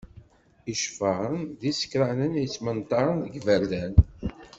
Iceffaren d yisekranen yettmenṭaren deg yiberdan.